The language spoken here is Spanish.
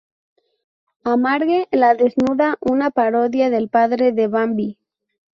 A Marge la desnuda una parodia del padre de Bambi.